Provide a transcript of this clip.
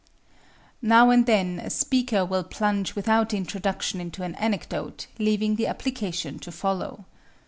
Now and then a speaker will plunge without introduction into an anecdote, leaving the application to follow.